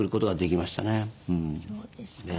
そうですか。